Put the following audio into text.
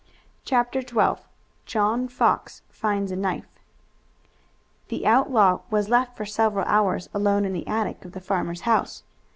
CHAPTER XII JOHN FOX FINDS A KNIFE The outlaw was left for several hours alone in the attic of the farmer's house.